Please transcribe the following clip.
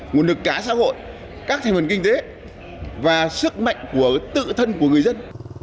nguồn lực cả xã hội các thành phần kinh tế và sức mạnh của tự thân của người dân